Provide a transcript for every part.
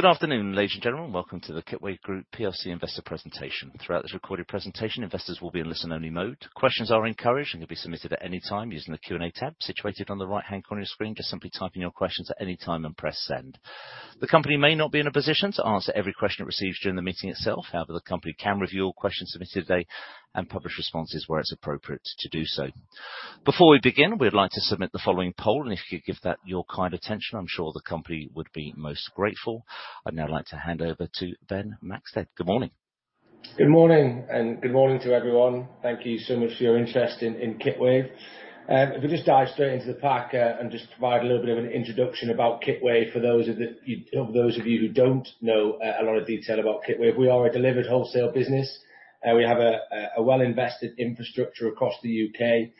Good afternoon, ladies and gentlemen. Welcome to the Kitwave Group plc investor presentation. Throughout this recorded presentation, investors will be in listen-only mode. Questions are encouraged and can be submitted at any time using the Q&A tab situated on the right-hand corner of your screen. Just simply type in your questions at any time and press Send. The company may not be in a position to answer every question it receives during the meeting itself. However, the company can review all questions submitted today and publish responses where it's appropriate to do so. Before we begin, we'd like to submit the following poll, and if you give that your kind attention, I'm sure the company would be most grateful. I'd now like to hand over to Ben Maxted. Good morning. Good morning, and good morning to everyone. Thank you so much for your interest in Kitwave. If we just dive straight into the pack, and just provide a little bit of an introduction about Kitwave for those of you who don't know a lot of detail about Kitwave, we are a delivered wholesale business. We have a well-invested infrastructure across the UK,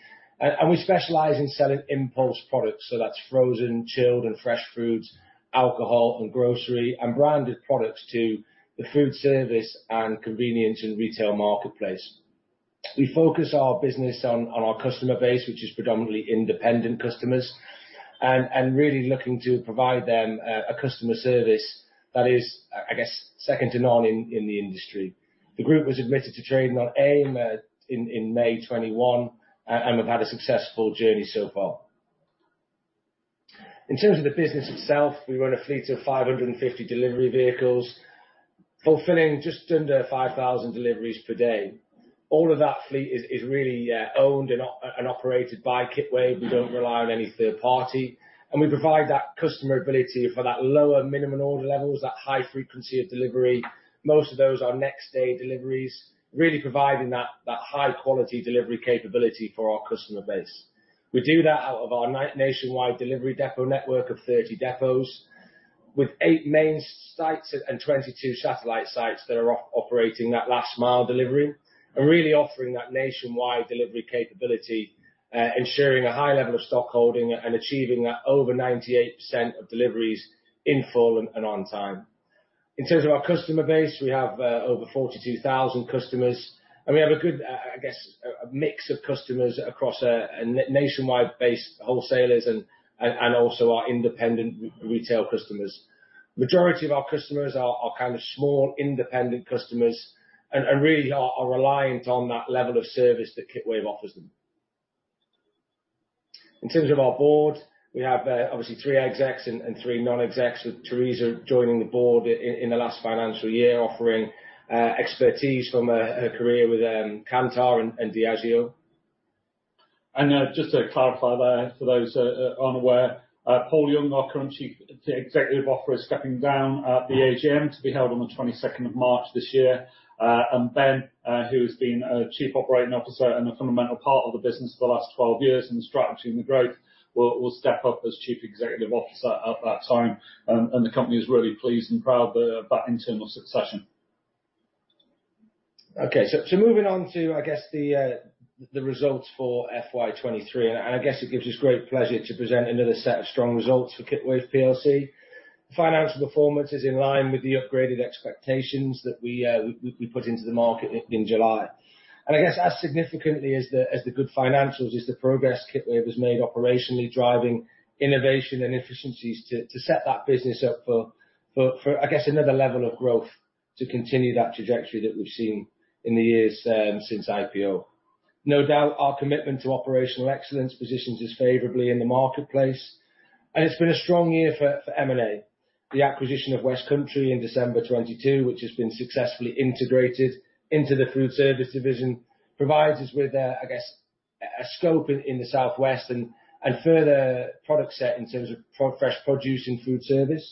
and we specialize in selling impulse products, so that's frozen, chilled, and fresh foods, alcohol and grocery, and branded products to the food service and convenience and retail marketplace. We focus our business on our customer base, which is predominantly independent customers, and really looking to provide them a customer service that is, I guess, second to none in the industry. The group was admitted to trade on AIM in May 2021, and we've had a successful journey so far. In terms of the business itself, we run a fleet of 550 delivery vehicles, fulfilling just under 5,000 deliveries per day. All of that fleet is really owned and operated by Kitwave. We don't rely on any third party, and we provide that customer ability for that lower minimum order levels, that high frequency of delivery. Most of those are next-day deliveries, really providing that high quality delivery capability for our customer base. We do that out of our nationwide delivery depot network of 30 depots, with 8 main sites and 22 satellite sites that are operating that last mile delivery, and really offering that nationwide delivery capability, ensuring a high level of stock holding and achieving that over 98% of deliveries in full and on time. In terms of our customer base, we have over 42,000 customers, and we have a good, I guess, a mix of customers across a nationwide base, wholesalers and also our independent retail customers. Majority of our customers are kind of small, independent customers, and really are reliant on that level of service that Kitwave offers them. In terms of our board, we have obviously three execs and three non-execs, with Teresa joining the board in the last financial year, offering expertise from her career with Kantar and Diageo. Just to clarify there, for those unaware, Paul Young, our current Chief Executive Officer, is stepping down at the AGM, to be held on the twenty-second of March this year. And Ben, who has been Chief Operating Officer and a fundamental part of the business for the last 12 years in the strategy and the growth, will step up as Chief Executive Officer at that time, and the company is really pleased and proud of that internal succession. Okay, so moving on to, I guess, the results for FY 2023, and I guess it gives us great pleasure to present another set of strong results for Kitwave PLC. Financial performance is in line with the upgraded expectations that we put into the market in July. And I guess as significantly as the good financials, is the progress Kitwave has made operationally, driving innovation and efficiencies to set that business up for, I guess, another level of growth, to continue that trajectory that we've seen in the years since IPO. No doubt, our commitment to operational excellence positions us favorably in the marketplace, and it's been a strong year for M&A. The acquisition of Westcountry in December 2022, which has been successfully integrated into the foodservice division, provides us with a, I guess, a scope in, in the southwest and, and further product set in terms of fresh produce and foodservice.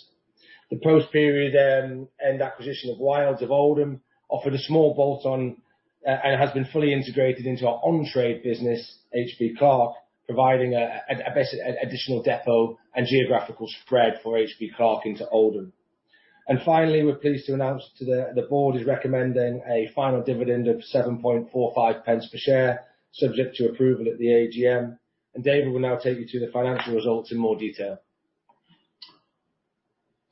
The post-period and acquisition of Wilds of Oldham offered a small bolt-on and has been fully integrated into our on-trade business, H.B. Clark, providing additional depot and geographical spread for H.B. Clark into Oldham. Finally, we're pleased to announce today, the board is recommending a final dividend of 0.0745 per share, subject to approval at the AGM, and David will now take you through the financial results in more detail.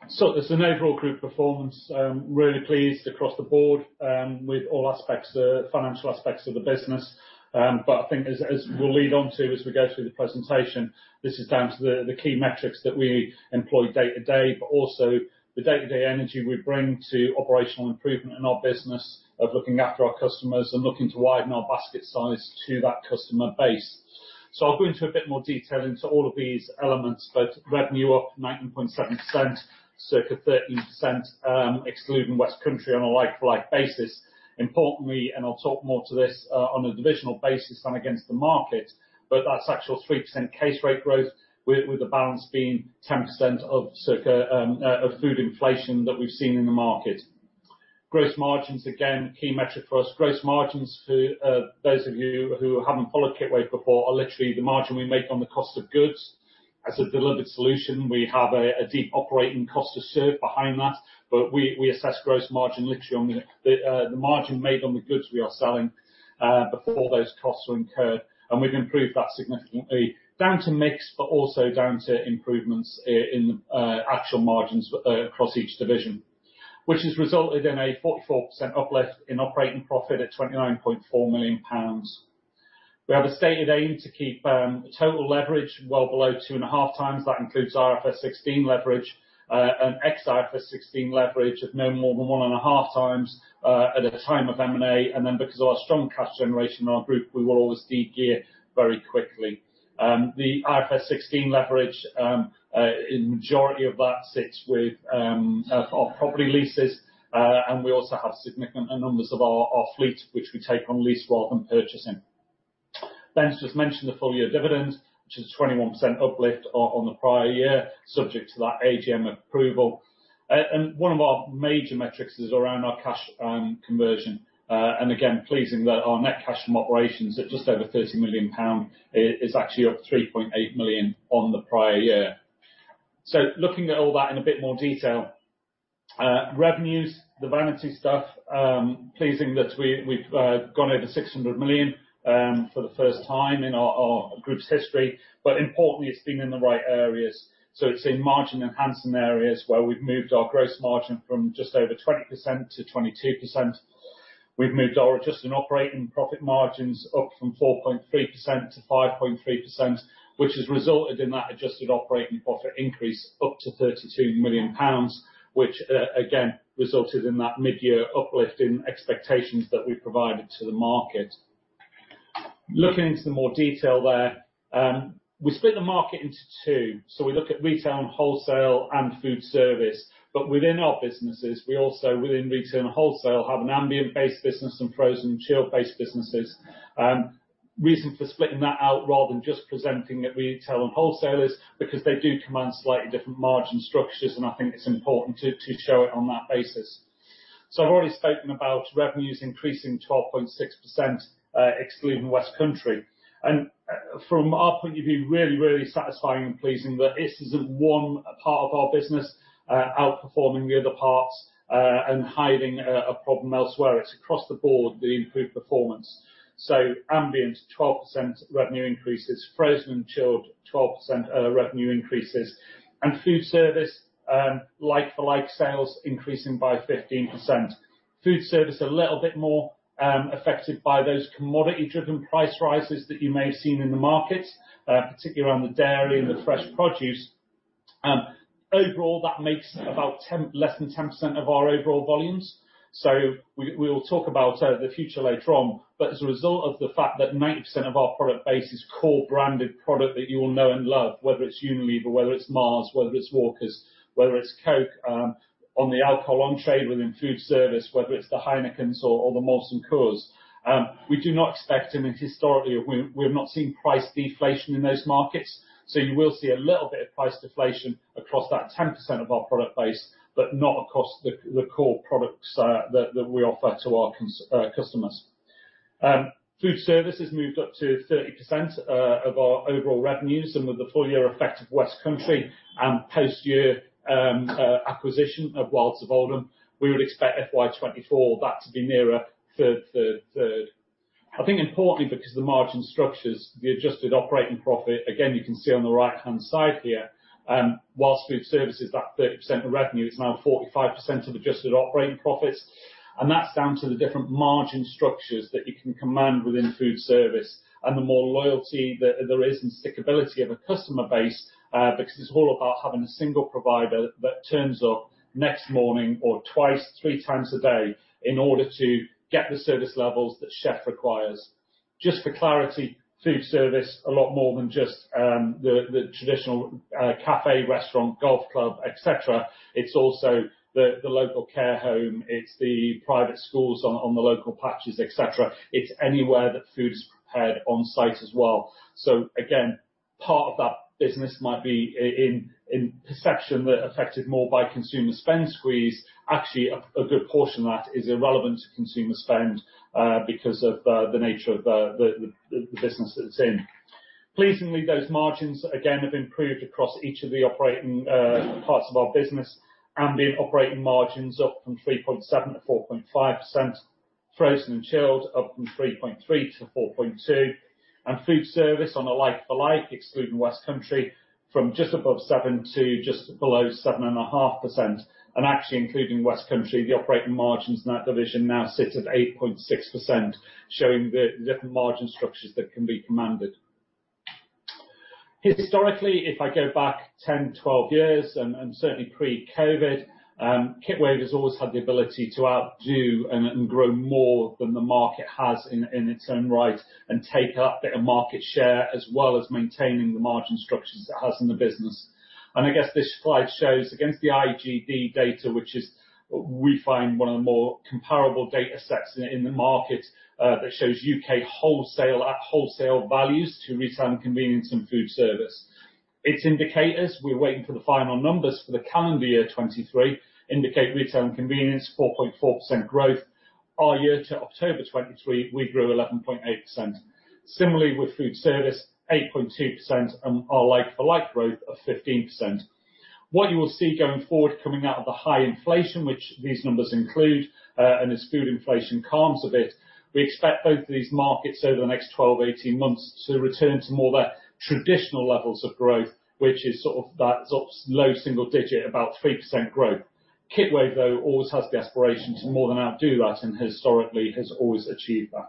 So as an overall group performance, really pleased across the board, with all aspects, financial aspects of the business. But I think as we'll lead on to, as we go through the presentation, this is down to the key metrics that we employ day to day, but also the day-to-day energy we bring to operational improvement in our business, of looking after our customers, and looking to widen our basket size to that customer base. So I'll go into a bit more detail into all of these elements, but revenue up 19.7%, circa 13%, excluding Westcountry on a like-for-like basis. Importantly, and I'll talk more to this, on a divisional basis than against the market, but that's actual 3% case rate growth, with the balance being 10% of circa of food inflation that we've seen in the market. Gross margins, again, key metric for us. Gross margins, for those of you who haven't followed Kitwave before, are literally the margin we make on the cost of goods. As a delivered solution, we have a deep operating cost to serve behind that, but we assess gross margin literally on the margin made on the goods we are selling, before those costs are incurred, and we've improved that significantly, down to mix, but also down to improvements in actual margins across each division. Which has resulted in a 44% uplift in operating profit, at 29.4 million pounds. We have a stated aim to keep total leverage well below 2.5 times. That includes IFRS 16 leverage, and ex IFRS 16 leverage of no more than 1.5 times, at a time of M&A, and then because of our strong cash generation in our group, we will always de-gear very quickly. The IFRS 16 leverage, a majority of that sits with our property leases, and we also have significant numbers of our fleet, which we take on lease rather than purchasing. Ben's just mentioned the full year dividend, which is 21% uplift on the prior year, subject to that AGM approval. And one of our major metrics is around our cash conversion. And again, pleasing that our net cash from operations at just over 30 million pound is actually up 3.8 million on the prior year. So looking at all that in a bit more detail, revenues, the vanity stuff, pleasing that we've gone over 600 million for the first time in our group's history, but importantly, it's been in the right areas. So it's in margin enhancement areas, where we've moved our gross margin from just over 20% to 22%. We've moved our adjusted operating profit margins up from 4.3% to 5.3%, which has resulted in that adjusted operating profit increase up to 32 million pounds, which again resulted in that mid-year uplift in expectations that we provided to the market. Looking into some more detail there, we split the market into two, so we look at retail and wholesale, and food service, but within our businesses, we also, within retail and wholesale, have an ambient-based business and frozen and chilled-based businesses. Reason for splitting that out, rather than just presenting it retail and wholesalers, because they do command slightly different margin structures, and I think it's important to show it on that basis. So I've already spoken about revenues increasing 12.6%, excluding West Country, and from our point of view, really, really satisfying and pleasing that this isn't one part of our business outperforming the other parts and hiding a problem elsewhere. It's across the board, the improved performance. So ambient, 12% revenue increases, frozen and chilled, 12%, revenue increases, and foodservice, like-for-like sales increasing by 15%. Foodservice a little bit more affected by those commodity-driven price rises that you may have seen in the market, particularly around the dairy and the fresh produce. Overall, that makes about 10- less than 10% of our overall volumes, so we will talk about the future later on, but as a result of the fact that 90% of our product base is core branded product that you will know and love, whether it's Unilever, whether it's Mars, whether it's Walkers, whether it's Coke, on the alcohol on-trade within food service, whether it's the Heinekens or the Molson Coors, we do not expect, and historically, we have not seen price deflation in those markets, so you will see a little bit of price deflation across that 10% of our product base, but not across the core products that we offer to our customers. Food service has moved up to 30% of our overall revenues, and with the full year effect of Westcountry and post-year acquisition of Wilds of Oldham, we would expect FY 2024 that to be nearer a third. I think importantly, because of the margin structures, the adjusted operating profit, again, you can see on the right-hand side here, while food service is that 30% of revenue, it's now 45% of adjusted operating profits, and that's down to the different margin structures that you can command within food service, and the more loyalty that there is, and stickability of a customer base, because it's all about having a single provider that turns up next morning or twice, three times a day in order to get the service levels that chef requires. Just for clarity, food service is a lot more than just the traditional cafe, restaurant, golf club, et cetera. It's also the local care home, the private schools on the local patches, et cetera. It's anywhere that food is prepared on site as well. So again, part of that business might be in perception affected more by consumer spend squeeze. Actually, a good portion of that is irrelevant to consumer spend because of the nature of the business that it's in. Pleasingly, those margins, again, have improved across each of the operating parts of our business. Ambient operating margins up from 3.7% to 4.5%, frozen and chilled, up from 3.3% to 4.2%, and food service on a like-for-like, excluding West Country, from just above 7% to just below 7.5%, and actually including West Country, the operating margins in that division now sits at 8.6%, showing the different margin structures that can be commanded. Historically, if I go back 10, 12 years and certainly pre-COVID, Kitwave has always had the ability to outdo and grow more than the market has in its own right and take that bit of market share, as well as maintaining the margin structures it has in the business. I guess this slide shows, against the IGD data, which is, we find one of the more comparable data sets in the market, that shows U.K. wholesale at wholesale values to retail and convenience and food service. Its indicators, we're waiting for the final numbers for the calendar year 2023, indicate retail and convenience, 4.4% growth. Our year to October 2023, we grew 11.8%. Similarly, with food service, 8.2%, and our like-for-like growth of 15%. What you will see going forward, coming out of the high inflation, which these numbers include, and as food inflation calms a bit, we expect both of these markets over the next twelve to eighteen months to return to more of their traditional levels of growth, which is sort of that sort low single digit, about 3% growth. Kitwave, though, always has the aspiration to more than outdo that, and historically, has always achieved that.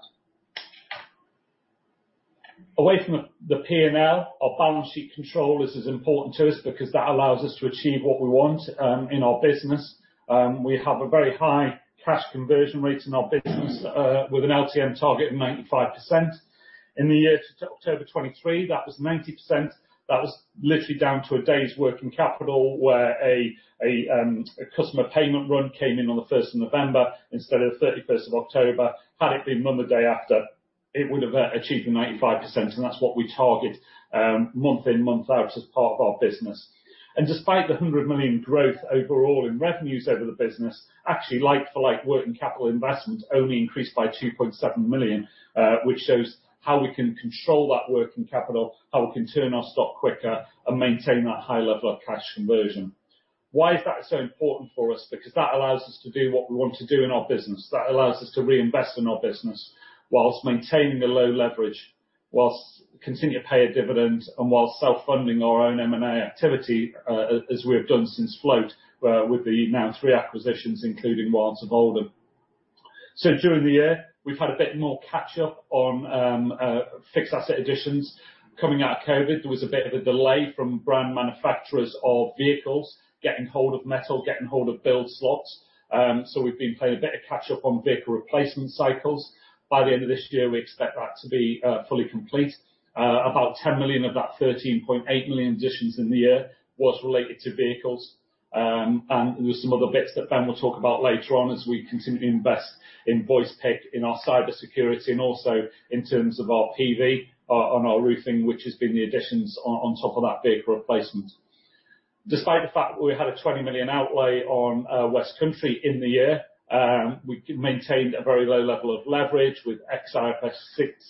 Away from the P&L, our balance sheet control, this is important to us because that allows us to achieve what we want in our business. We have a very high cash conversion rate in our business, with an LTM target of 95%. In the year to October 2023, that was 90%. That was literally down to a day's working capital, where a customer payment run came in on the first of November instead of the thirty-first of October. Had it been run the day after, it would've achieved the 95%, and that's what we target, month in, month out, as part of our business. Despite the 100 million growth overall in revenues over the business, actually, like for like, working capital investment only increased by 2.7 million, which shows how we can control that working capital, how we can turn our stock quicker, and maintain that high level of cash conversion. Why is that so important for us? Because that allows us to do what we want to do in our business. That allows us to reinvest in our business while maintaining a low leverage, while continuing to pay a dividend, and while self-funding our own M&A activity, as we have done since float, where with the now three acquisitions, including Wilds of Oldham. During the year, we've had a bit more catch up on fixed asset additions. Coming out of COVID, there was a bit of a delay from brand manufacturers of vehicles getting hold of metal, getting hold of build slots. So we've been playing a bit of catch up on vehicle replacement cycles. By the end of this year, we expect that to be fully complete. About 10 million of that 13.8 million additions in the year was related to vehicles. There's some other bits that Ben will talk about later on as we continue to invest in voice pick, in our cybersecurity, and also in terms of our PV on our roofing, which has been the additions on top of that vehicle replacement. Despite the fact that we had a 20 million outlay on Westcountry in the year, we maintained a very low level of leverage with IFRS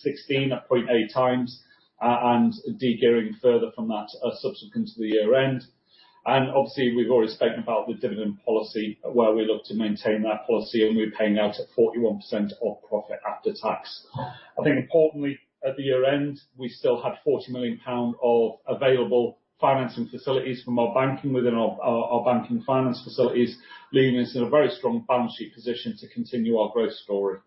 16 at 0.8 times, and degearing further from that, subsequent to the year end. And obviously, we've already spoken about the dividend policy, where we look to maintain that policy, and we're paying out at 41% of profit after tax. I think importantly, at the year end, we still had 40 million pounds of available financing facilities from our banking within our, our, our banking finance facilities, leaving us in a very strong balance sheet position to continue our growth story.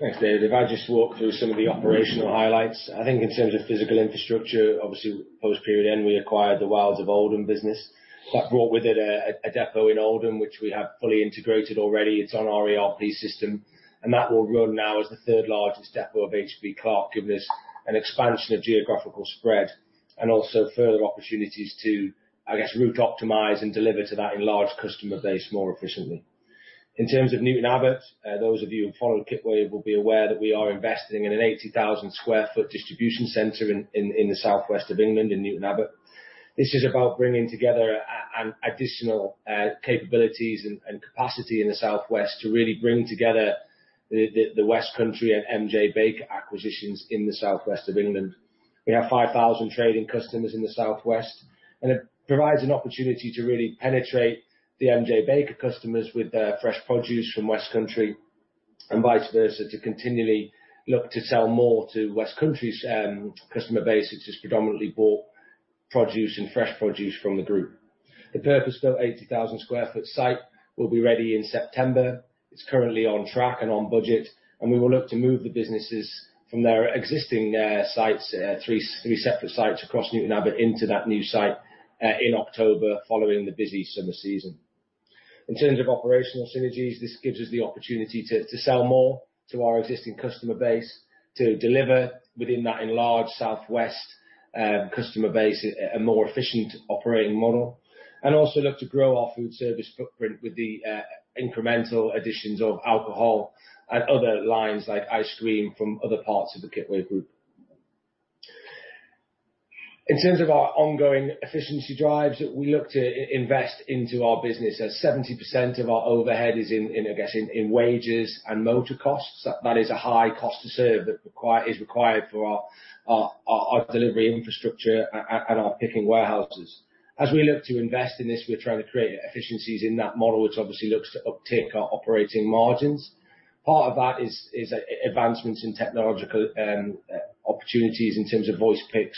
Thanks, David. If I just walk through some of the operational highlights. I think in terms of physical infrastructure, obviously post period end, we acquired the Wilds of Oldham business. That brought with it a depot in Oldham, which we have fully integrated already, it's on our ERP system, and that will run now as the third largest depot of H.B. Clark, giving us an expansion of geographical spread, and also further opportunities to, I guess, route optimize and deliver to that enlarged customer base more efficiently. In terms of Newton Abbot, those of you who follow Kitwave will be aware that we are investing in an 80,000 sq ft distribution center in the southwest of England, in Newton Abbot. This is about bringing together an additional capabilities and capacity in the southwest, to really bring together the Westcountry and M.J. Baker acquisitions in the southwest of England. We have 5,000 trading customers in the southwest, and it provides an opportunity to really penetrate the M.J. Baker customers with their fresh produce from Westcountry, and vice versa, to continually look to sell more to Westcountry's customer base, which has predominantly bought produce and fresh produce from the group. The purpose-built 80,000 sq ft site will be ready in September. It's currently on track and on budget, and we will look to move the businesses from their existing sites, three separate sites across Newton Abbot, into that new site in October, following the busy summer season. In terms of operational synergies, this gives us the opportunity to sell more to our existing customer base, to deliver within that enlarged southwest customer base a more efficient operating model, and also look to grow our food service footprint with the incremental additions of alcohol and other lines, like ice cream, from other parts of the Kitwave Group. In terms of our ongoing efficiency drives, we look to invest into our business. Seventy percent of our overhead is in, I guess, in wages and motor costs. That is a high cost to serve that is required for our delivery infrastructure and our picking warehouses. As we look to invest in this, we're trying to create efficiencies in that model, which obviously looks to uptick our operating margins. Part of that is advancements in technological opportunities in terms of voice pick,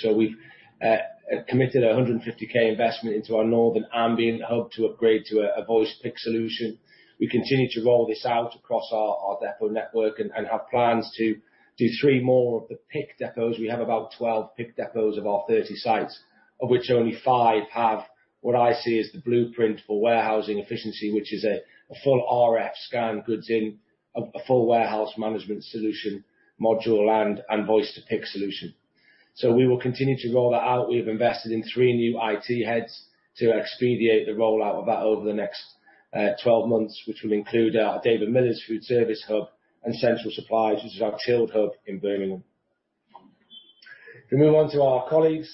so we've committed 150,000 investment into our northern ambient hub to upgrade to a voice pick solution. We continue to roll this out across our depot network and have plans to do three more of the pick depots. We have about 12 pick depots of our 30 sites, of which only five have what I see as the blueprint for warehousing efficiency, which is a full RF Scan goods in, a full warehouse management solution module, and voice pick solution. So we will continue to roll that out. We've invested in three new IT heads to expedite the rollout of that over the next twelve months, which will include David Miller's foodservice hub, and Central Supplies, which is our chilled hub in Birmingham. If we move on to our colleagues,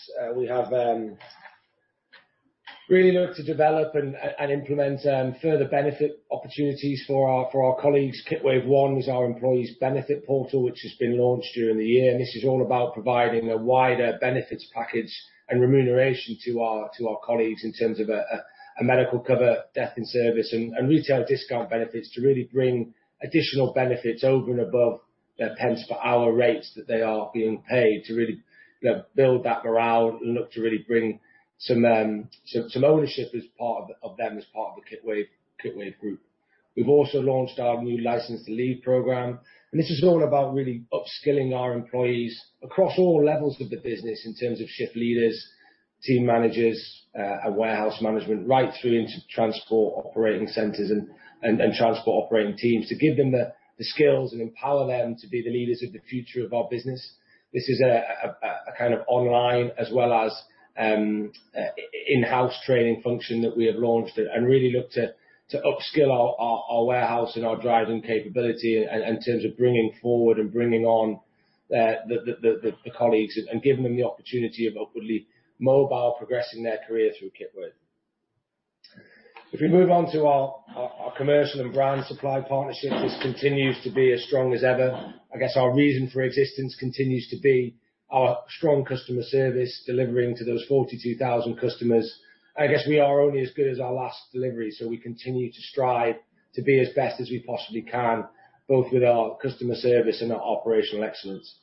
we have really looked to develop and implement further benefit opportunities for our colleagues. Kitwave One is our employees' benefit portal, which has been launched during the year, and this is all about providing a wider benefits package and remuneration to our colleagues in terms of medical cover, death in service, and retail discount benefits to really bring additional benefits over and above their pence per hour rates that they are being paid, to really, you know, build that morale and look to really bring some ownership as part of them as part of the Kitwave, Kitwave Group.... We've also launched our new License to Lead program, and this is all about really upskilling our employees across all levels of the business in terms of shift leaders, team managers, our warehouse management, right through into transport operating centers and transport operating teams, to give them the skills and empower them to be the leaders of the future of our business. This is a kind of online as well as in-house training function that we have launched and really look to upskill our warehouse and our driving capability in terms of bringing forward and bringing on the colleagues and giving them the opportunity of upwardly mobile, progressing their career through Kitwave. If we move on to our commercial and brand supply partnership, this continues to be as strong as ever. I guess our reason for existence continues to be our strong customer service, delivering to those 42,000 customers. I guess we are only as good as our last delivery, so we continue to strive to be as best as we possibly can, both with our customer service and our operational excellence.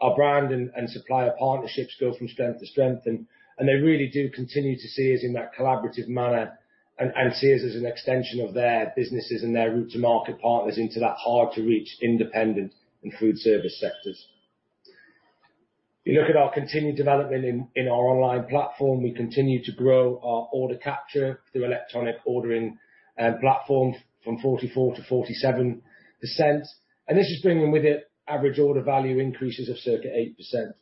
Our brand and supplier partnerships go from strength to strength, and they really do continue to see us in that collaborative manner and see us as an extension of their businesses and their route to market partners into that hard-to-reach, independent and food service sectors. If you look at our continued development in our online platform, we continue to grow our order capture through electronic ordering platform from 44%-47%, and this is bringing with it average order value increases of circa 8%.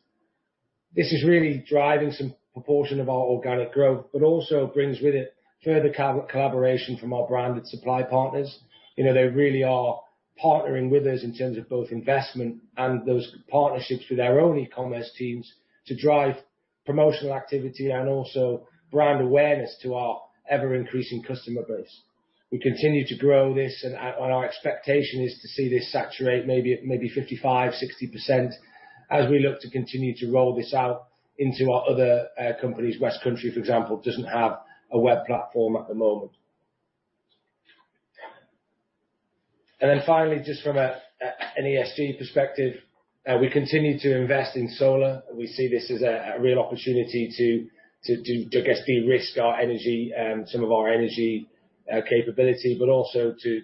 This is really driving some proportion of our organic growth, but also brings with it further collaboration from our branded supply partners. You know, they really are partnering with us in terms of both investment and those partnerships with our own e-commerce teams, to drive promotional activity and also brand awareness to our ever-increasing customer base. We continue to grow this, and our, and our expectation is to see this saturate maybe at maybe 55%-60%, as we look to continue to roll this out into our other companies. Westcountry, for example, doesn't have a web platform at the moment. And then finally, just from a ESG perspective, we continue to invest in solar. We see this as a real opportunity to, I guess, de-risk our energy, some of our energy capability, but also to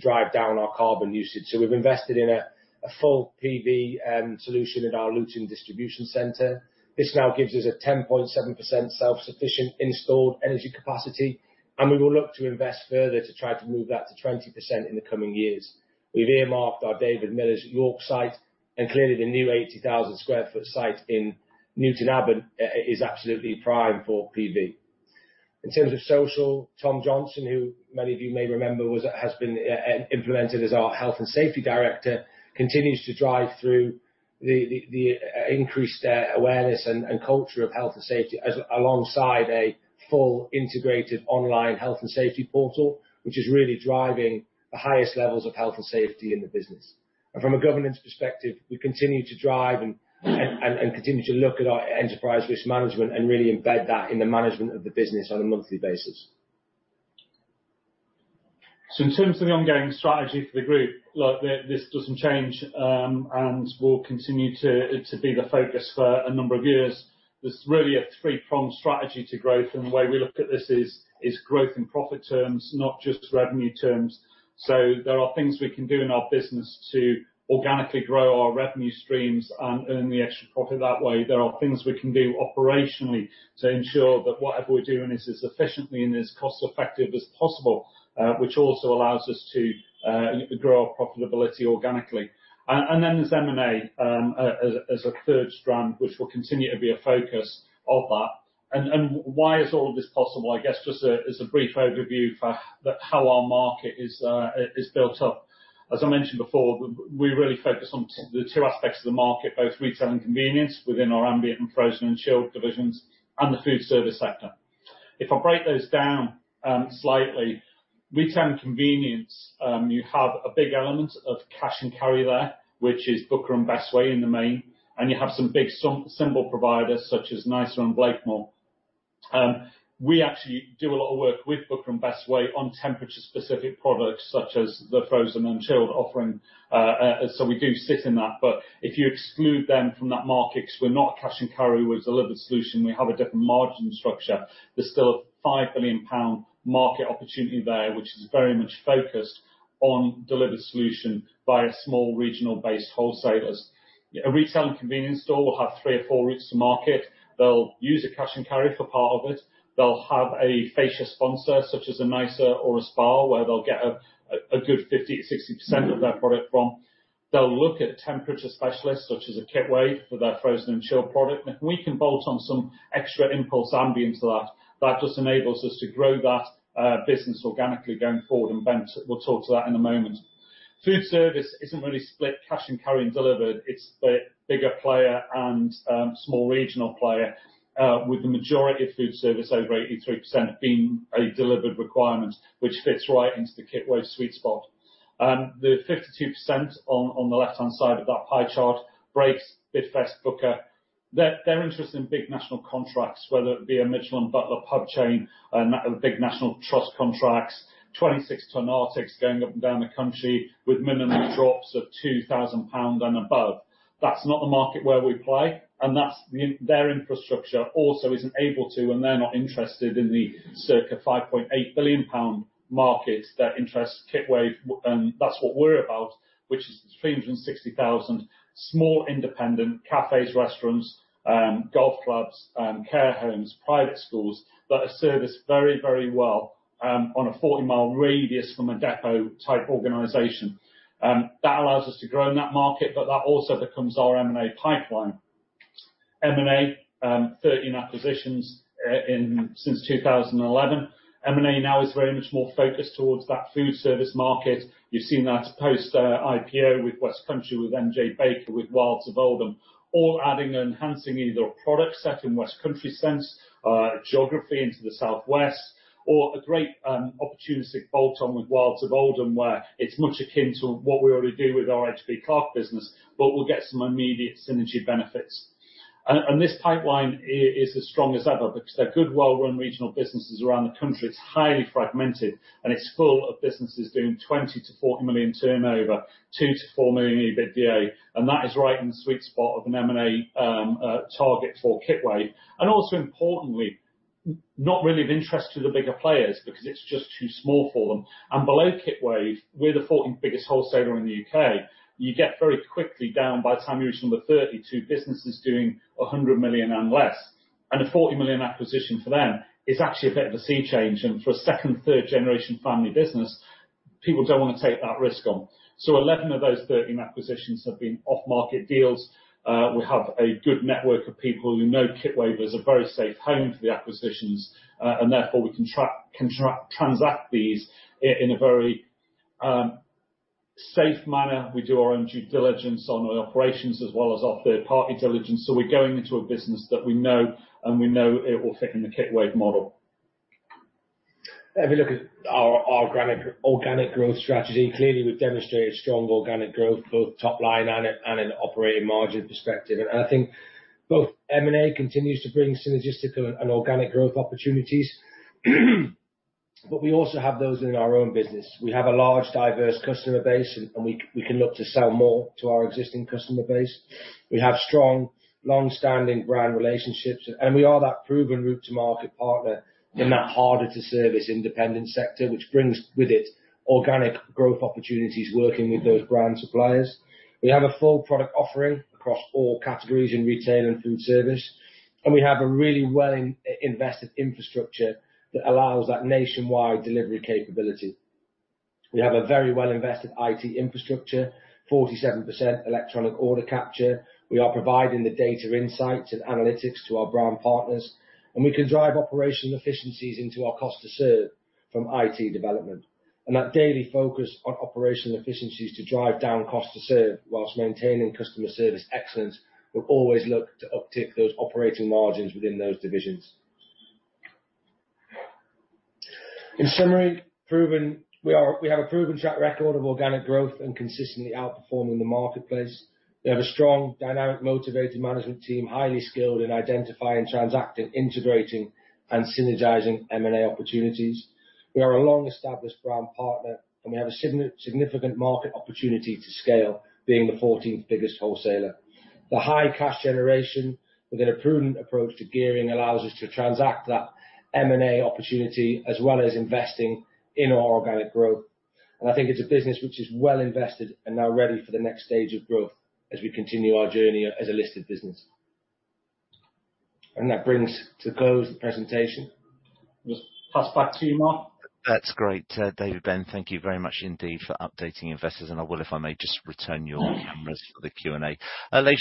drive down our carbon usage. So we've invested in a full PV solution at our Luton distribution center. This now gives us a 10.7% self-sufficient installed energy capacity, and we will look to invest further to try to move that to 20% in the coming years. We've earmarked our David Miller's York site, and clearly the new 80,000 sq ft site in Newton Abbot is absolutely prime for PV. In terms of social, Tom Johnson, who many of you may remember, has been implemented as our Health and Safety Director, continues to drive through the increased awareness and culture of health and safety, alongside a full integrated online health and safety portal, which is really driving the highest levels of health and safety in the business. From a governance perspective, we continue to drive and continue to look at our enterprise risk management, and really embed that in the management of the business on a monthly basis. So in terms of the ongoing strategy for the group, look, this, this doesn't change, and will continue to, to be the focus for a number of years. There's really a three-pronged strategy to growth, and the way we look at this is, is growth in profit terms, not just revenue terms. So there are things we can do in our business to organically grow our revenue streams and earn the extra profit that way. There are things we can do operationally to ensure that whatever we're doing is as efficiently and as cost effective as possible, which also allows us to, grow our profitability organically. And, and then there's M&A, as, as a third strand, which will continue to be a focus of that. And, and why is all of this possible? I guess just as a brief overview for how our market is built up. As I mentioned before, we really focus on the two aspects of the market, both retail and convenience, within our ambient and frozen and chilled divisions, and the food service sector. If I break those down slightly, retail and convenience, you have a big element of cash and carry there, which is Booker and Bestway in the main, and you have some big symbol providers such as Nisa and Blakemore. We actually do a lot of work with Booker and Bestway on temperature-specific products, such as the frozen and chilled offering, so we do sit in that. But if you exclude them from that market, because we're not a cash and carry, we're a delivered solution, we have a different margin structure, there's still a 5 billion pound market opportunity there, which is very much focused on delivered solution by small, regional-based wholesalers. A retail and convenience store will have three or four routes to market. They'll use a cash and carry for part of it. They'll have a fascia sponsor, such as a Nisa or a Spar, where they'll get a good 50%-60% of their product from. They'll look at temperature specialists, such as a Kitwave, for their frozen and chilled product, and if we can bolt on some extra impulse ambient to that, that just enables us to grow that business organically going forward, and Ben will talk to that in a moment. Foodservice isn't really split cash and carry and delivered, it's the bigger player and small regional player with the majority of foodservice, over 83%, being a delivered requirement, which fits right into the Kitwave sweet spot. The 52% on the left-hand side of that pie chart breaks Bidvest, Booker. They're interested in big national contracts, whether it be a Mitchells & Butlers pub chain, and big National Trust contracts, 26-tonne Artics going up and down the country with minimum drops of 2,000 pound and above. That's not the market where we play, and that's their infrastructure also isn't able to, and they're not interested in the circa 5.8 billion pound market that interests Kitwave, and that's what we're about, which is 360,000 small independent cafes, restaurants, golf clubs, care homes, private schools, that are serviced very, very well, on a 40-mile radius from a depot-type organization. That allows us to grow in that market, but that also becomes our M&A pipeline. M&A, thirteen acquisitions, in since 2011. M&A now is very much more focused towards that food service market. You've seen that post-IPO with Westcountry, with M.J. Baker, with Wilds of Oldham, all adding and enhancing either a product set in Westcountry sense, geography into the southwest, or a great, opportunistic bolt-on with Wilds of Oldham, where it's much akin to what we already do with our H.B. Clark business, but we'll get some immediate synergy benefits. And this pipeline is as strong as ever, because they're good, well-run regional businesses around the country. It's highly fragmented, and it's full of businesses doing 20-40 million turnover, 2-4 million EBITDA, and that is right in the sweet spot of an M&A target for Kitwave. And also, importantly, not really of interest to the bigger players, because it's just too small for them. And below Kitwave, we're the fourteenth biggest wholesaler in the UK. You get very quickly down, by the time you reach number 30, to businesses doing 100 million and less, and a 40 million acquisition for them is actually a bit of a sea change, and for a second, third generation family business, people don't want to take that risk on. So 11 of those 13 acquisitions have been off-market deals. We have a good network of people who know Kitwave as a very safe home for the acquisitions, and therefore, we can transact these in a very safe manner. We do our own due diligence on the operations, as well as our third party intelligence, so we're going into a business that we know, and we know it will fit in the Kitwave model. If you look at our granular organic growth strategy, clearly we've demonstrated strong organic growth, both top line and an operating margin perspective. And I think both M&A continues to bring synergistic and organic growth opportunities. But we also have those in our own business. We have a large, diverse customer base, and we can look to sell more to our existing customer base. We have strong, long-standing brand relationships, and we are that proven route to market partner in that harder to service independent sector, which brings with it organic growth opportunities, working with those brand suppliers. We have a full product offering across all categories in retail and foodservice, and we have a really well invested infrastructure that allows that nationwide delivery capability. We have a very well invested IT infrastructure, 47% electronic order capture. We are providing the data insights and analytics to our brand partners, and we can drive operational efficiencies into our cost to serve from IT development. That daily focus on operational efficiencies to drive down cost to serve, while maintaining customer service excellence, will always look to uptick those operating margins within those divisions. In summary, we have a proven track record of organic growth and consistently outperforming the marketplace. We have a strong, dynamic, motivated management team, highly skilled in identifying, transacting, integrating, and synergizing M&A opportunities. We are a long-established brand partner, and we have a significant market opportunity to scale, being the fourteenth biggest wholesaler. The high cash generation, with a prudent approach to gearing, allows us to transact that M&A opportunity, as well as investing in our organic growth. I think it's a business which is well invested and now ready for the next stage of growth as we continue our journey as a listed business. That brings to close the presentation. Just pass back to you, Mark. That's great, David, Ben, thank you very much indeed for updating investors. I will, if I may, just return your cameras for the Q&A. Ladies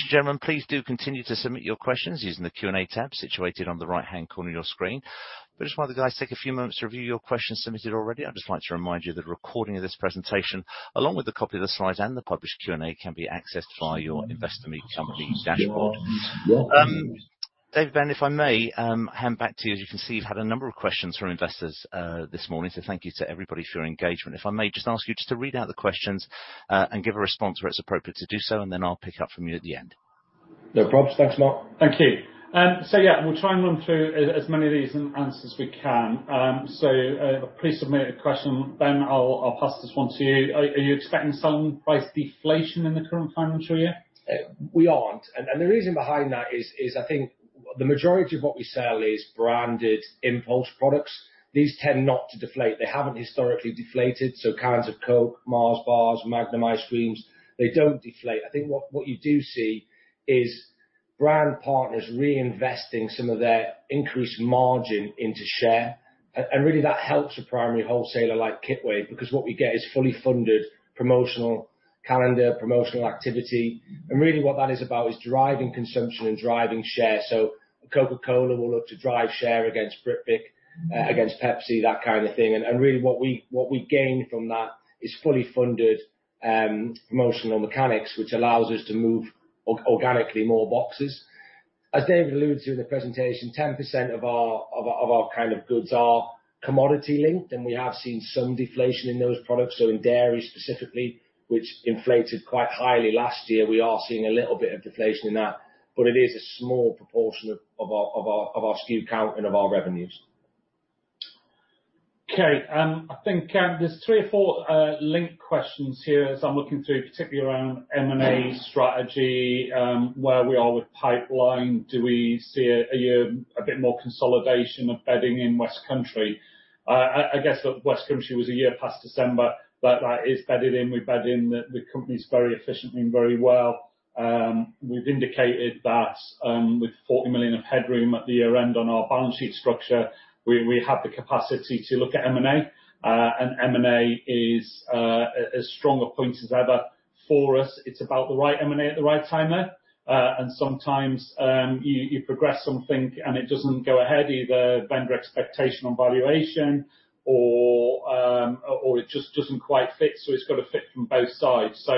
and gentlemen, please do continue to submit your questions using the Q&A tab situated on the right-hand corner of your screen. But just while the guys take a few moments to review your questions submitted already, I'd just like to remind you that a recording of this presentation, along with a copy of the slides and the published Q&A, can be accessed via your Investor Meet company dashboard. David, Ben, if I may, hand back to you. As you can see, you've had a number of questions from investors, this morning, so thank you to everybody for your engagement. If I may just ask you just to read out the questions, and give a response where it's appropriate to do so, and then I'll pick up from you at the end. No probs. Thanks, Mark. Thank you. So yeah, we'll try and run through as many of these answers we can. Please submit a question, then I'll pass this one to you. Are you expecting some price deflation in the current financial year? We aren't, and the reason behind that is, I think, the majority of what we sell is branded impulse products. These tend not to deflate. They haven't historically deflated, so cans of Coke, Mars bars, Magnum ice creams, they don't deflate. I think what you do see is brand partners reinvesting some of their increased margin into share, and really, that helps a primary wholesaler like Kitwave, because what we get is fully funded promotional calendar, promotional activity. Really, what that is about is driving consumption and driving share. So Coca-Cola will look to drive share against Britvic, against Pepsi, that kind of thing. Really, what we gain from that is fully funded promotional mechanics, which allows us to move organically more boxes. As David alluded to in the presentation, 10% of our kind of goods are commodity link, and we have seen some deflation in those products. So in dairy specifically, which inflated quite highly last year, we are seeing a little bit of deflation in that, but it is a small proportion of our SKU count and of our revenues.... Okay, I think, there's three or four linked questions here, as I'm looking through, particularly around M&A strategy, where we are with pipeline, do we see a bit more consolidation of bedding in West Country? I guess that West Country was a year past December, but that is bedded in. We've bedded in the company's very efficiently and very well. We've indicated that, with 40 million of headroom at the year end on our balance sheet structure, we have the capacity to look at M&A. And M&A is as strong a point as ever for us. It's about the right M&A at the right time there. And sometimes, you progress something and it doesn't go ahead, either vendor expectation on valuation or it just doesn't quite fit, so it's got to fit from both sides. So,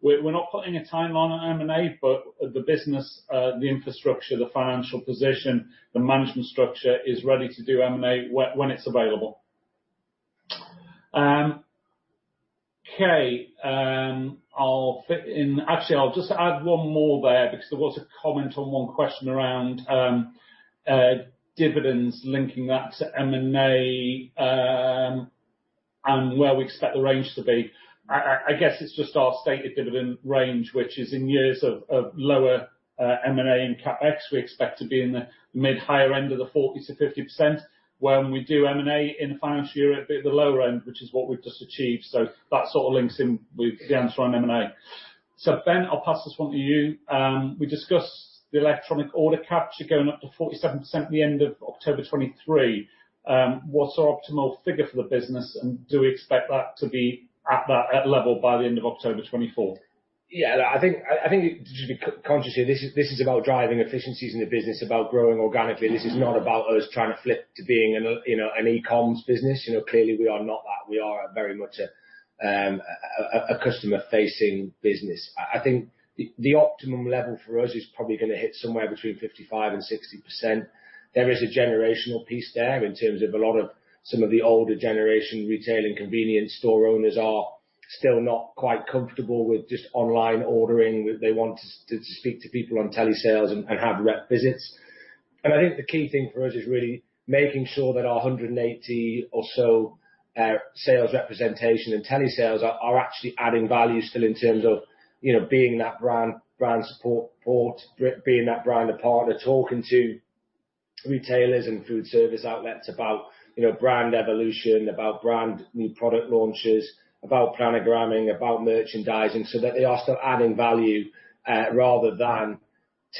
we're not putting a timeline on M&A, but the business, the infrastructure, the financial position, the management structure is ready to do M&A when it's available. Okay, actually, I'll just add one more there, because there was a comment on one question around dividends, linking that to M&A, and where we expect the range to be. I guess it's just our stated dividend range, which is in years of lower M&A and CapEx, we expect to be in the mid-higher end of the 40%-50%. When we do M&A in the financial year, it'll be at the lower end, which is what we've just achieved. So that sort of links in with the answer on M&A. So Ben, I'll pass this one to you. We discussed the electronic order capture going up to 47% at the end of October 2023. What's our optimal figure for the business, and do we expect that to be at that level by the end of October 2024? Yeah, I think, just be conscious here, this is about driving efficiencies in the business, about growing organically. Mm-hmm. This is not about us trying to flip to being an—you know, an e-comms business. You know, clearly, we are not that. We are very much a customer-facing business. I think the optimum level for us is probably gonna hit somewhere between 55%-60%. There is a generational piece there, in terms of a lot of some of the older generation retail and convenience store owners are still not quite comfortable with just online ordering. They want to speak to people on telesales and have rep visits. I think the key thing for us is really making sure that our 180 or so sales representation and telesales are actually adding value still, in terms of, you know, being that brand support, being that brand partner, talking to retailers and food service outlets about, you know, brand evolution, about brand new product launches, about planogramming, about merchandising, so that they are still adding value, rather than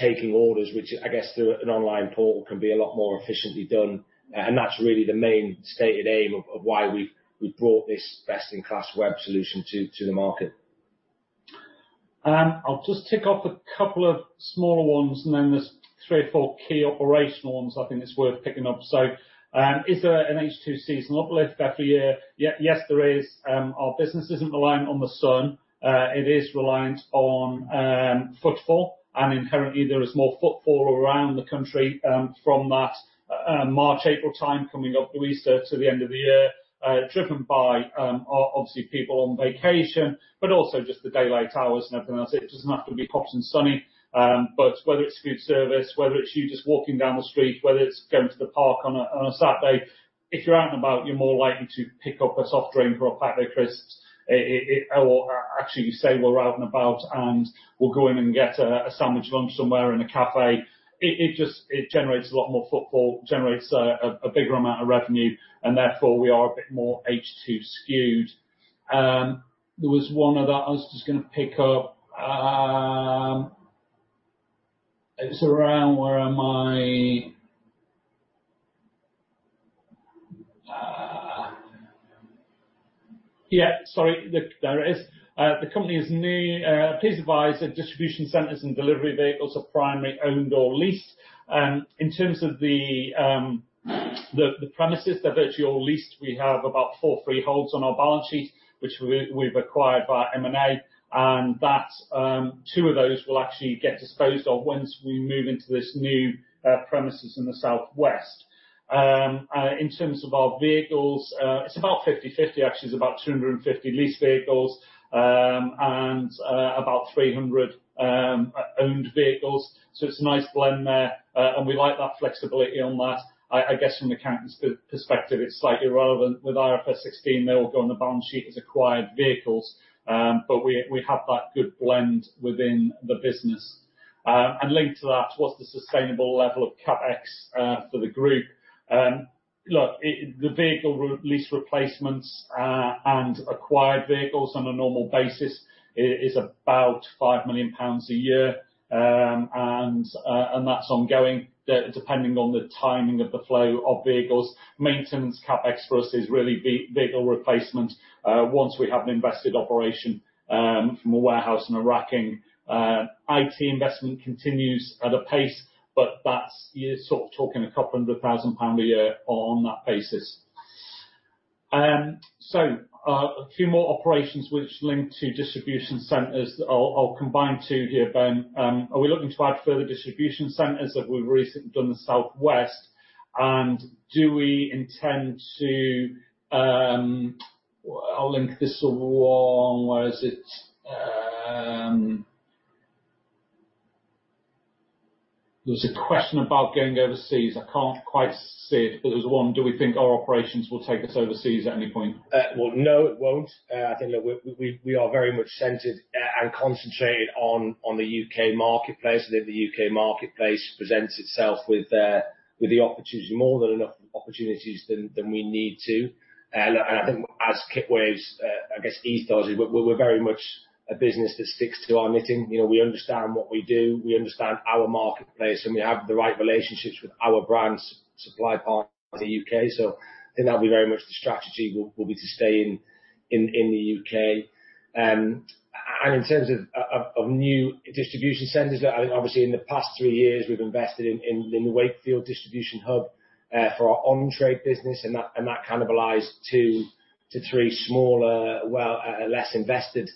taking orders, which I guess, through an online portal, can be a lot more efficiently done. And that's really the main stated aim of why we've brought this best-in-class web solution to the market. I'll just tick off a couple of smaller ones, and then there's three or four key operational ones I think it's worth picking up. So, is there an H2 seasonal uplift every year? Yes, there is. Our business isn't reliant on the sun. It is reliant on footfall, and inherently there is more footfall around the country, from that March, April time coming up to Easter to the end of the year, driven by obviously people on vacation, but also just the daylight hours and everything else. It doesn't have to be hot and sunny. But whether it's food service, whether it's you just walking down the street, whether it's going to the park on a Saturday, if you're out and about, you're more likely to pick up a soft drink or a packet of crisps. Actually, say, we're out and about, and we'll go in and get a sandwich lunch somewhere in a cafe. It just generates a lot more footfall, generates a bigger amount of revenue, and therefore we are a bit more H2 skewed. There was one other I was just gonna pick up. It's around there it is. The company's new please advise if distribution centers and delivery vehicles are primarily owned or leased. In terms of the premises, they're virtually all leased. We have about four freeholds on our balance sheet, which we've acquired via M&A, and that two of those will actually get disposed of once we move into this new premises in the southwest. In terms of our vehicles, it's about 50/50, actually. It's about 250 leased vehicles, and about 300 owned vehicles. So it's a nice blend there, and we like that flexibility on that. I guess from an accountant's perspective, it's slightly relevant. With IFRS 16, they all go on the balance sheet as acquired vehicles, but we have that good blend within the business. And linked to that, what's the sustainable level of CapEx for the group? Look, the vehicle lease replacements and acquired vehicles on a normal basis is about 5 million pounds a year. And that's ongoing, depending on the timing of the flow of vehicles. Maintenance CapEx for us is really vehicle replacement. Once we have an invested operation, from a warehouse and a racking, IT investment continues at a pace, but that's, you're sort of talking 200,000 pound a year on that basis. So, a few more operations which link to distribution centers. I'll, I'll combine two here, Ben. Are we looking to add further distribution centers, like we've recently done the southwest, and do we intend to... I'll link this all along. Where is it? There's a question about going overseas. I can't quite see it, but there's one. Do we think our operations will take us overseas at any point? Well, no, it won't. I think that we are very much centered and concentrated on the U.K. marketplace, and that the U.K. marketplace presents itself with the opportunity, more than enough opportunities than we need to. And I think as Kitwave's, I guess, ethos is, we're very much a business that sticks to our knitting. You know, we understand what we do, we understand our marketplace, and we have the right relationships with our brands, supply partners in the U.K. So I think that'll be very much the strategy, will be to stay in the U.K. And in terms of new distribution centers, I think obviously in the past three years, we've invested in the Wakefield distribution hub for our on-trade business, and that cannibalized two to three smaller, less invested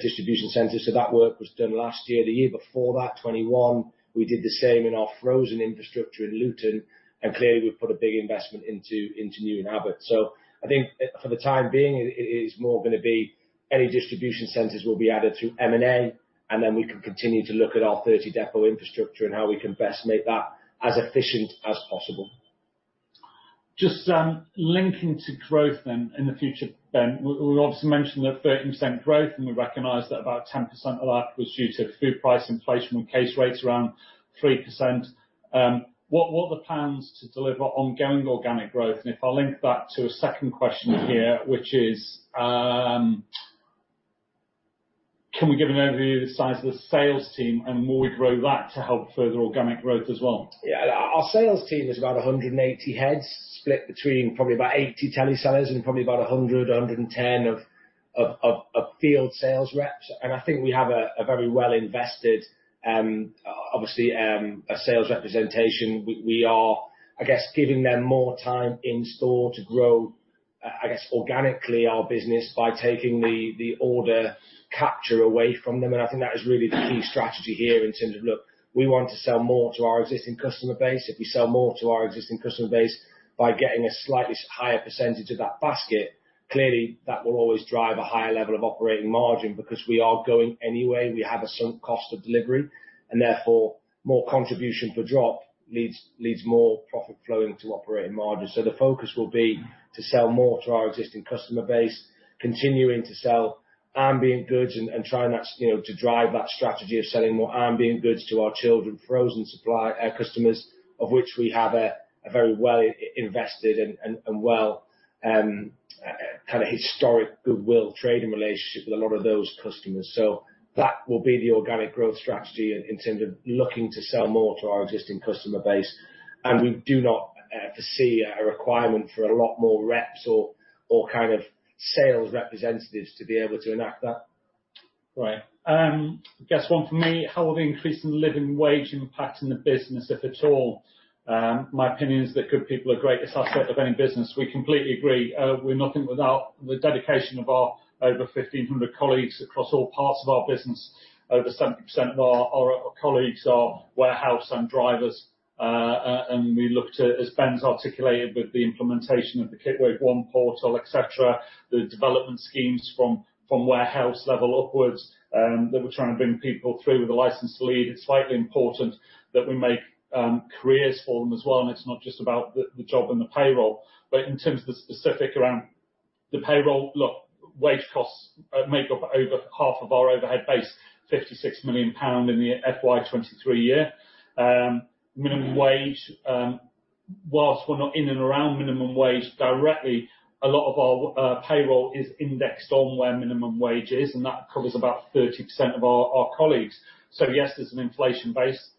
distribution centers. So that work was done last year. The year before that, 2021, we did the same in our frozen infrastructure in Luton, and clearly, we've put a big investment into Newton Abbot. So I think, for the time being, it is more gonna be any distribution centers will be added through M&A, and then we can continue to look at our 30 depot infrastructure and how we can best make that as efficient as possible. Just linking to growth then in the future, Ben, we obviously mentioned the 13% growth, and we recognize that about 10% of that was due to food price inflation, with case rates around 3%. What are the plans to deliver ongoing organic growth? And if I link that to a second question here, which is, can we give an overview of the size of the sales team, and will we grow that to help further organic growth as well? Yeah. Our sales team is about 180 heads, split between probably about 80 telesellers and probably about 110 field sales reps. And I think we have a very well invested, obviously, a sales representation. We are, I guess, giving them more time in store to grow, I guess, organically, our business, by taking the order capture away from them. And I think that is really the key strategy here in terms of, look, we want to sell more to our existing customer base. If we sell more to our existing customer base by getting a slightly higher percentage of that basket, clearly, that will always drive a higher level of operating margin because we are going anyway. We have a sunk cost of delivery, and therefore, more contribution per drop leads more profit flowing to operating margins. So the focus will be to sell more to our existing customer base, continuing to sell ambient goods and trying that, you know, to drive that strategy of selling more ambient goods to our chilled and frozen supply customers, of which we have a very well invested and well kind of historic goodwill trading relationship with a lot of those customers. So that will be the organic growth strategy in terms of looking to sell more to our existing customer base. And we do not foresee a requirement for a lot more reps or kind of sales representatives to be able to enact that. Right. I guess one from me, how will the increase in the living wage impact in the business, if at all? My opinion is that good people are greatest asset of any business. We completely agree. We're nothing without the dedication of our over 1,500 colleagues across all parts of our business. Over 70% of our colleagues are warehouse and drivers, and we look to, as Ben's articulated, with the implementation of the Kitwave One portal, et cetera, the development schemes from warehouse level upwards, that we're trying to bring people through with a License to Lead. It's slightly important that we make careers for them as well, and it's not just about the job and the payroll. But in terms of the specific around the payroll, look, wage costs make up over half of our overhead base, 56 million pound in the FY 2023 year. Minimum wage, while we're not in and around minimum wage directly, a lot of our payroll is indexed on where minimum wage is, and that covers about 30% of our colleagues. So yes, there's an inflation base.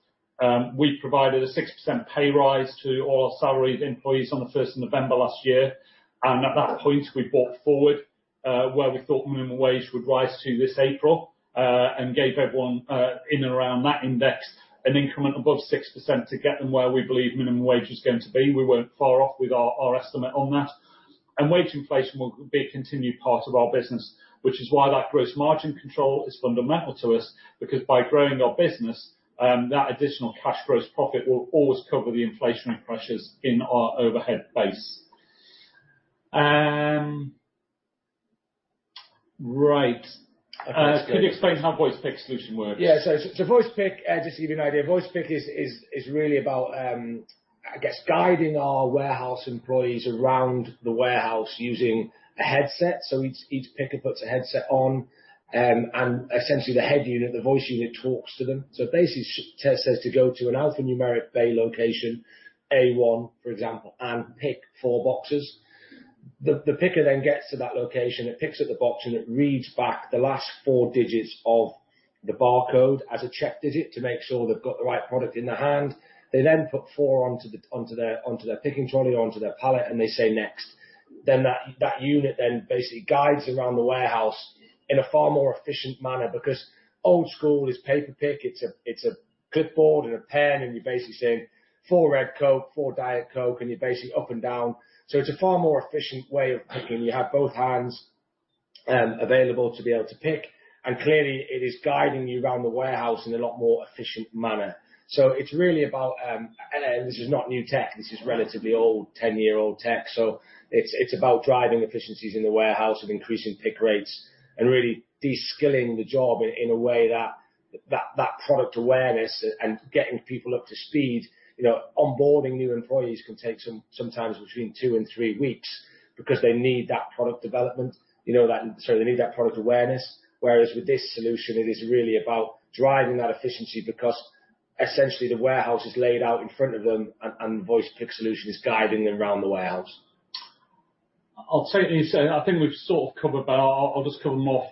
We provided a 6% pay rise to all our salaried employees on the first of November last year, and at that point, we brought forward where we thought minimum wage would rise to this April, and gave everyone in and around that index, an increment above 6% to get them where we believe minimum wage was going to be. We weren't far off with our estimate on that. Wage inflation will be a continued part of our business, which is why that gross margin control is fundamental to us, because by growing our business, that additional cash gross profit will always cover the inflationary pressures in our overhead base. Right. Okay. Could you explain how the voice pick solution works? Yeah, so voice pick, just to give you an idea, voice pick is really about, I guess, guiding our warehouse employees around the warehouse using a headset. So each picker puts a headset on, and essentially, the head unit, the voice unit, talks to them. So basically, the system says to go to an alphanumeric bay location, A1, for example, and pick 4 boxes. The picker then gets to that location, it picks up the box, and it reads back the last 4 digits of the barcode as a check digit, to make sure they've got the right product in their hand. They then put four onto their picking trolley or onto their pallet, and they say, "Next." Then that unit then basically guides around the warehouse in a far more efficient manner, because old school is paper pick. It's a clipboard and a pen, and you're basically saying, "Four red Coke, four Diet Coke," and you're basically up and down. So it's a far more efficient way of picking. You have both hands available to be able to pick, and clearly, it is guiding you around the warehouse in a lot more efficient manner. So it's really about and this is not new tech, this is relatively old, 10-year-old tech. So it's about driving efficiencies in the warehouse and increasing pick rates, and really de-skilling the job in a way that...... that product awareness and getting people up to speed, you know, onboarding new employees can take sometimes between 2 and 3 weeks, because they need that product development. You know, sorry, they need that product awareness. Whereas with this solution, it is really about driving that efficiency, because essentially, the warehouse is laid out in front of them, and the voice pick solution is guiding them around the warehouse. I'll take this, I think we've sort of covered, but I'll, I'll just cover them off.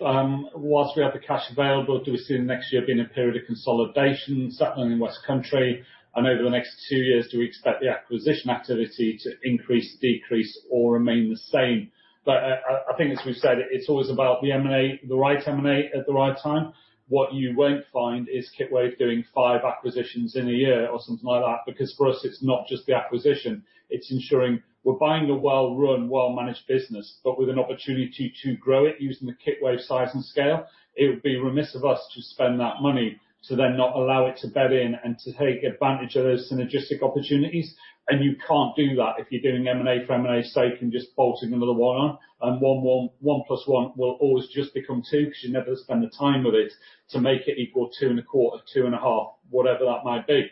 Whilst we have the cash available, do we see the next year being a period of consolidation, certainly in West Country? And over the next two years, do we expect the acquisition activity to increase, decrease, or remain the same? But, I, I think as we've said, it's always about the M&A, the right M&A at the right time. What you won't find is Kitwave doing five acquisitions in a year or something like that, because for us, it's not just the acquisition, it's ensuring we're buying a well-run, well-managed business, but with an opportunity to grow it using the Kitwave size and scale. It would be remiss of us to spend that money, to then not allow it to bed in and to take advantage of those synergistic opportunities. And you can't do that if you're doing M&A for M&A sake, and just bolting another one on. And 1 + 1 will always just become 2, because you never spend the time with it, to make it equal 2.25, 2.5, whatever that might be.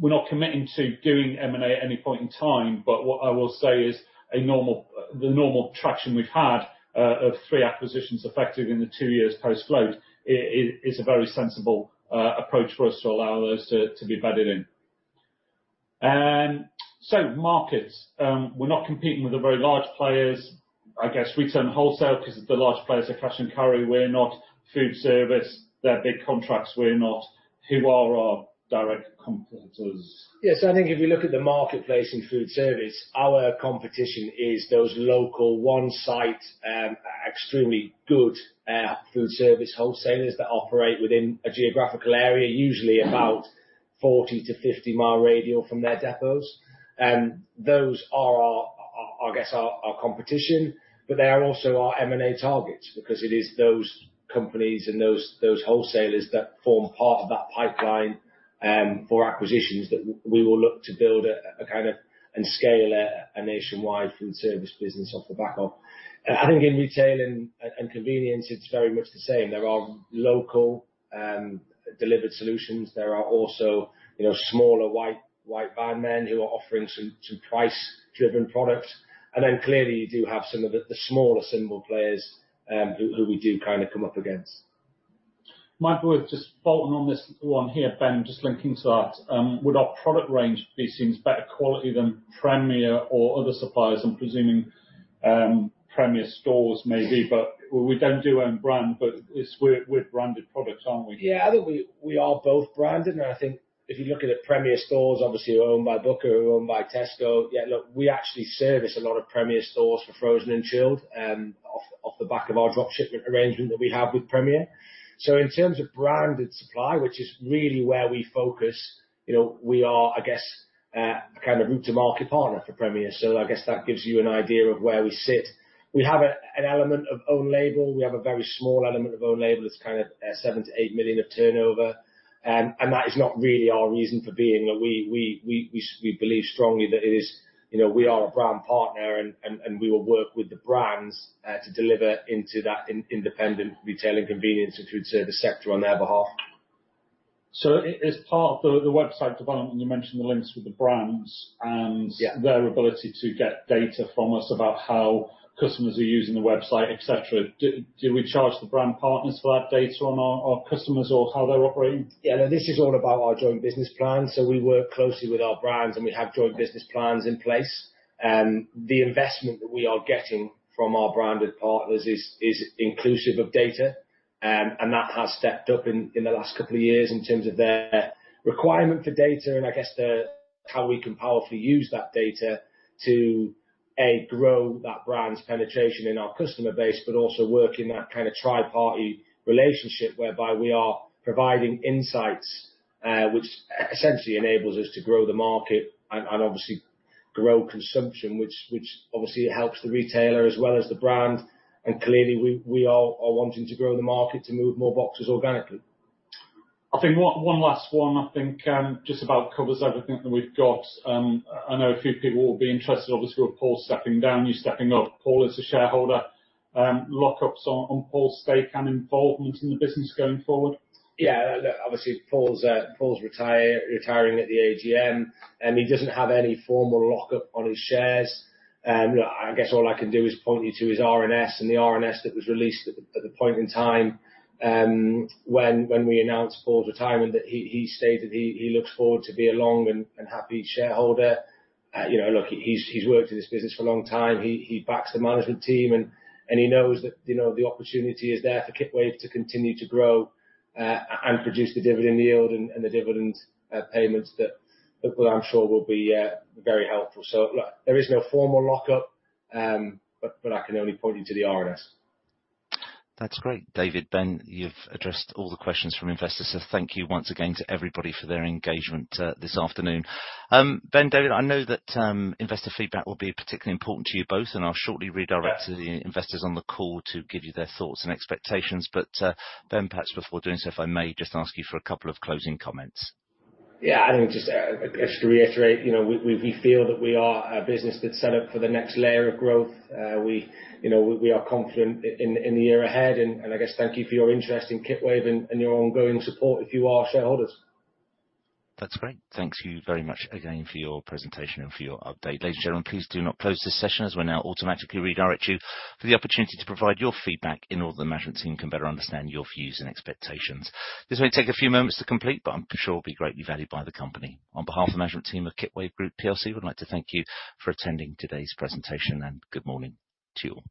We're not committing to doing M&A at any point in time, but what I will say is the normal traction we've had of 3 acquisitions effective in the 2 years post-float, it, it is a very sensible approach for us to allow those to, to be bedded in. And so, markets. We're not competing with the very large players. I guess retail and wholesale, because the large players are cash and carry. We're not food service, they're big contracts, we're not. Who are our direct competitors? Yes, I think if you look at the marketplace in food service, our competition is those local, one-site, extremely good, food service wholesalers that operate within a geographical area, usually about 40-50 mile radius from their depots. Those are our, I guess, our competition, but they are also our M&A targets, because it is those companies and those wholesalers that form part of that pipeline for acquisitions, that we will look to build a kind of and scale a nationwide food service business off the back of. I think in retail and convenience, it's very much the same. There are local, delivered solutions. There are also, you know, smaller white van men, who are offering some price-driven products. And then clearly, you do have some of the smaller single players, who we do kind of come up against. Might be worth just bolting on this one here, Ben, just linking to that. Would our product range be seen as better quality than Premier or other suppliers? I'm presuming, Premier stores, maybe, but we don't do own brand, but it's with branded products, aren't we? Yeah, I think we are both branded, and I think if you're looking at Premier stores, obviously owned by Booker, who are owned by Tesco. Yeah, look, we actually service a lot of Premier stores for frozen and chilled, off the back of our drop shipment arrangement that we have with Premier. So in terms of branded supply, which is really where we focus, you know, we are, I guess, a kind of route to market partner for Premier. So I guess that gives you an idea of where we sit. We have an element of own label. We have a very small element of own label, that's kind of, seven to eight million of turnover. And that is not really our reason for being. We believe strongly that it is... You know, we are a brand partner, and we will work with the brands to deliver into that independent retail and convenience, and to serve the sector on their behalf. So, as part of the website development, you mentioned the links with the brands. Yeah. - and their ability to get data from us, about how customers are using the website, et cetera. Do we charge the brand partners for that data on our customers or how they're operating? Yeah, no, this is all about our joint business plan. So we work closely with our brands, and we have joint business plans in place. The investment that we are getting from our branded partners is inclusive of data. And that has stepped up in the last couple of years, in terms of their requirement for data, and I guess the how we can powerfully use that data to, A, grow that brand's penetration in our customer base, but also work in that kind of tri-party relationship, whereby we are providing insights, which essentially enables us to grow the market and obviously grow consumption, which obviously helps the retailer as well as the brand. And clearly, we are wanting to grow the market, to move more boxes organically. I think one last one, I think, just about covers everything that we've got. I know a few people will be interested, obviously, with Paul stepping down, you stepping up. Paul is a shareholder. Lock-ups on Paul's stake and involvement in the business going forward? Yeah, obviously, Paul's retiring at the AGM, and he doesn't have any formal lock-up on his shares. Look, I guess all I can do is point you to his RNS, and the RNS that was released at the point in time when we announced Paul's retirement, that he stated he looks forward to be a long and happy shareholder. You know, look, he's worked in this business for a long time. He backs the management team, and he knows that, you know, the opportunity is there for Kitwave to continue to grow, and produce the dividend yield, and the dividend payments, that, well, I'm sure will be very helpful. So, look, there is no formal lock-up, but I can only point you to the RNS. That's great, David, Ben, you've addressed all the questions from investors, so thank you once again to everybody for their engagement this afternoon. Ben, David, I know that investor feedback will be particularly important to you both, and I'll shortly redirect to the investors on the call to give you their thoughts and expectations. But, Ben, perhaps before doing so, if I may just ask you for a couple of closing comments? Yeah, I think just, just to reiterate, you know, we feel that we are a business that's set up for the next layer of growth. We, you know, are confident in the year ahead. And I guess, thank you for your interest in Kitwave and your ongoing support, if you are shareholders. That's great. Thank you very much again, for your presentation and for your update. Ladies and gentlemen, please do not close this session, as we'll now automatically redirect you for the opportunity to provide your feedback, in order the management team can better understand your views and expectations. This may take a few moments to complete, but I'm sure will be greatly valued by the company. On behalf of the management team of Kitwave Group plc, we'd like to thank you for attending today's presentation, and good morning to you all.